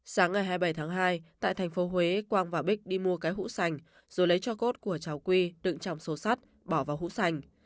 sáng ngày hai mươi bảy tháng hai tại thành phố huế quang và bích đi mua cái hũ sành rồi lấy cho cốt của cháu quy đựng trong số sắt bỏ vào hũ sành